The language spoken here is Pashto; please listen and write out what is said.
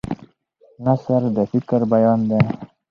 نثر د فکر بیان دی.